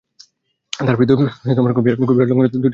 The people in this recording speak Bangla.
তাঁর বিরুদ্ধে কপিরাইট লঙ্ঘন এবং অর্থ পাচারের দুটি অভিযোগ আনা হয়েছে।